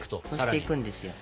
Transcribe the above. こしていくんですよ。